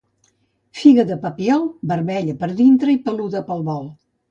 Figa de Papiol, vermella per dintre i peluda pel volt.